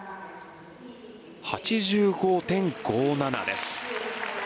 ８５．５７です。